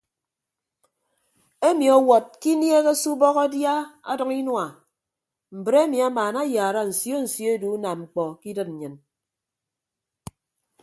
Emi ọwọd ke inieeghe se ubọk adia adʌñ inua mbre emi amaana ayaara nsio nsio edu unam mkpọ ke idịd nnyịn.